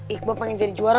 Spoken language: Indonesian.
iqbal pengen jadi juara